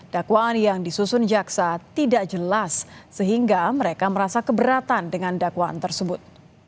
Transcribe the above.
dakwaan yang disusun jaksa tidak jelas sehingga mereka merasa keberatan dengan dakwaan tersebut